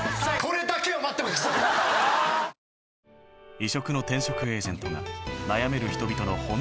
［異色の転職エージェントが悩める人々の本音をあぶり出す］